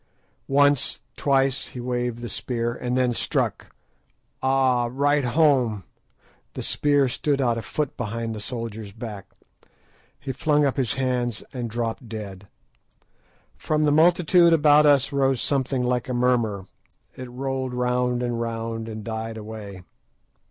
"Once, twice," he waved the spear, and then struck, ah! right home—the spear stood out a foot behind the soldier's back. He flung up his hands and dropped dead. From the multitude about us rose something like a murmur, it rolled round and round, and died away.